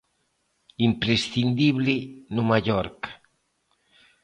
Imprescindible no Mallorca.